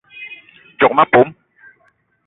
Djock ma pom